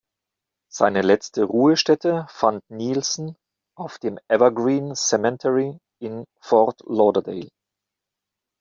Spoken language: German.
Seine letzte Ruhestätte fand Nielsen auf dem Evergreen Cemetery in Fort Lauderdale.